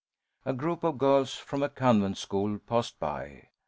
A group of girls from a convent school passed by.